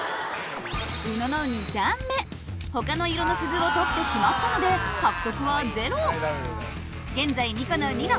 宇野の他の色の鈴を取ってしまったので獲得はゼロ現在２個のニノ